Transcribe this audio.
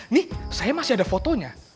nih saya masih ada fotonya